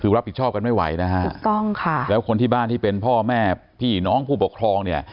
คือรับผิดชอบกันไม่ไหวนะฮะถูกต้องค่ะแล้วคนที่บ้านที่เป็นพ่อแม่พี่น้องผู้ปกครองเนี่ย